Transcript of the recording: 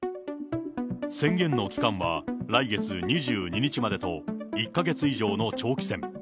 宣言の期間は来月２２日までと、１か月以上の長期戦。